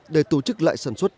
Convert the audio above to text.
để tổ chức lại sản xuất